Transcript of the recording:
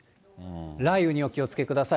雷雨にお気をつけください。